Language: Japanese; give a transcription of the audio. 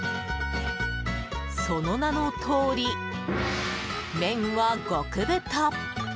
その名のとおり、麺は極太！